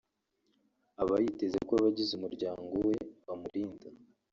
Aba yiteze ko abagize umuryango we bamurinda